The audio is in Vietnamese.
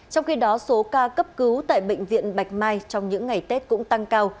trong khi đó số ca cấp cứu tại bệnh viện bạch mai trong những ngày tết cũng tăng cao